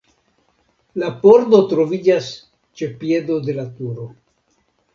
La pordo troviĝas ĉe piedo de la turo.